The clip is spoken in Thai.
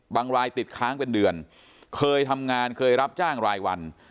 รายติดค้างเป็นเดือนเคยทำงานเคยรับจ้างรายวัน